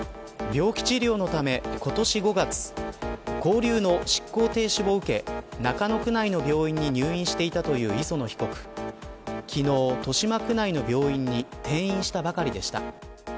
病気治療のため、今年５月勾留の執行停止を受け中野区内の病院に入院していたという磯野被告昨日、豊島区内の病院に転院したばかりでした。